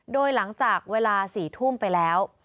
โดยหลังจากเวลา๔ทุ่มไปแล้ว